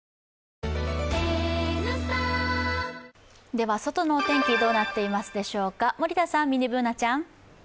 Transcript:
では外のお天気、どうなっていますでしょうか森田さん、ミニＢｏｏｎａちゃん。